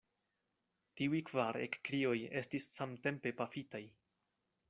Tiuj kvar ekkrioj estis samtempe pafitaj.